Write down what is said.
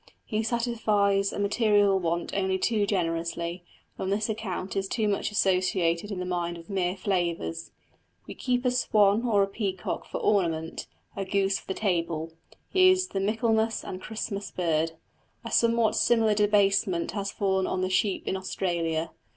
He satisfies a material want only too generously, and on this account is too much associated in the mind with mere flavours. We keep a swan or a peacock for ornament; a goose for the table he is the Michaelmas and Christmas bird. A somewhat similar debasement has fallen on the sheep in Australia.